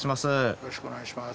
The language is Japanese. よろしくお願いします。